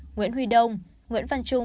nguyễn huy đông nguyễn văn trung